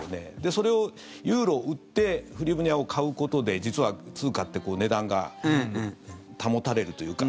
それを、ユーロを売ってフリヴニャを買うことで実は通貨って値段が保たれるというか。